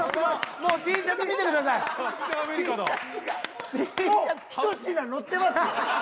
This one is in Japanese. もう１品のってますよね？